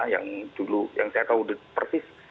yang dulu yang saya tahu persis